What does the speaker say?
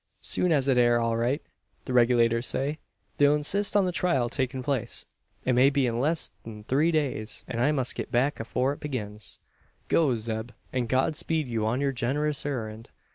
Soon as it air all right, the Reg'lators say, they'll insist on the trial takin' place. It may be in less'n three days; an I must git back afore it begins." "Go, Zeb, and God speed you on your generous errand!